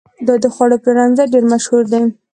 دا د خوړو پلورنځی ډېر مشهور دی.